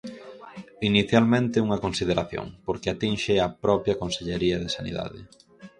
Inicialmente, unha consideración, porque atinxe á propia Consellería de Sanidade.